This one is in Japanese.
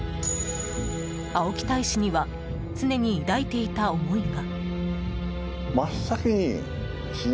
青木大使には常に抱いていた思いが。